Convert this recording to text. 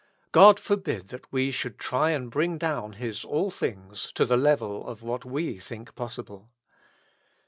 God forbid that we should try and bring down His all things to the level of what we think possible.